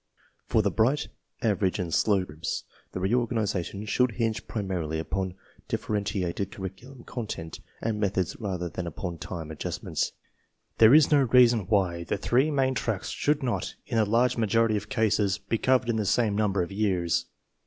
For the bright, average, and slow groups, the reor ganization should hinge primarily upon differentiated curriculum content and methods rather than upon time adjustments. There is no reason why the three main tracks should not, in the large majority of cases, be covered in the same number of years.